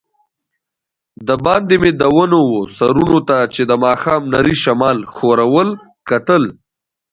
دباندې مې د ونو وه سرونو ته چي د ماښام نري شمال ښورول، کتل.